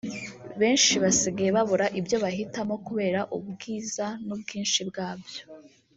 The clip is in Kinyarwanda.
Benshi basigaye babura ibyo bahitamo kubera ubwiza n’ubwinshi bwabyo